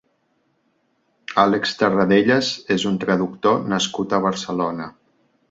Àlex Tarradellas és un traductor nascut a Barcelona.